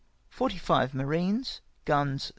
Forty five marines. Gruns, 32.